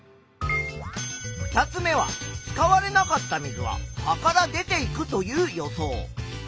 ２つ目は使われなかった水は葉から出ていくという予想。